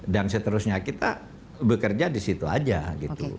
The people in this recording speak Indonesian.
dan seterusnya kita bekerja di situ aja gitu